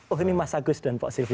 oh ini mas agus dan pak sylvi